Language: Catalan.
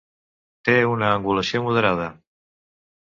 Té una angulació moderada.